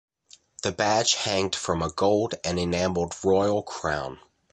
The badge hanged from a gold and enamelled royal crown.